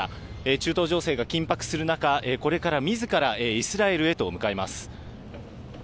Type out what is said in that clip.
中東情勢が緊迫する中、これから自らイスラエルへと向かいます。